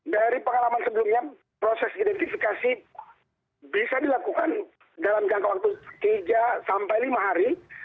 dari pengalaman sebelumnya proses identifikasi bisa dilakukan dalam jangka waktu tiga sampai lima hari